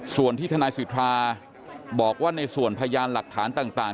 ส่วนที่ทนายสิทธาบอกว่าในส่วนพยานหลักฐานต่าง